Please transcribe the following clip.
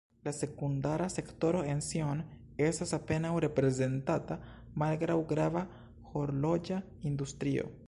La sekundara sektoro en Sion estas apenaŭ reprezentata malgraŭ grava horloĝa industrio.